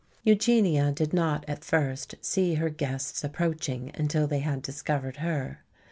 Eugenia did not at first see her guests approaching until they had discovered her.